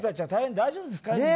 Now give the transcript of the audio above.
大丈夫ですか。